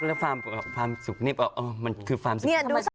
แล้วฟาร์มสุขนี่บอกว่ามันคือฟาร์มสุข